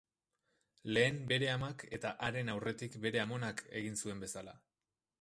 Lehen bere amak eta haren aurretik bere amonak egin zuen bezala.